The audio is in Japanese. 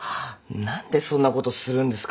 何でそんなことするんですか。